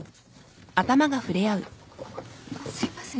すいません。